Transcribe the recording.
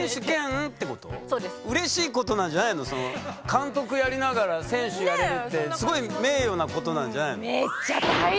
監督やりながら選手やれるってすごい名誉なことなんじゃないの？